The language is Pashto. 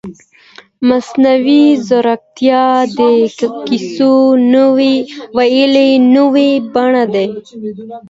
مصنوعي ځیرکتیا د کیسو ویلو نوې بڼه ده.